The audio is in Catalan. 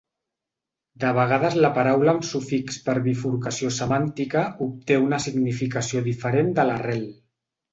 De vegades la paraula amb sufix per bifurcació semàntica obté una significació diferent de l'arrel.